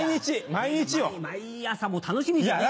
毎朝楽しみですよね。